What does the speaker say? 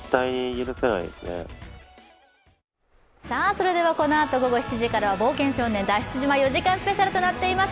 それではこのあと午後７時からは「冒険少年」脱出島４時間スペシャルとなっています。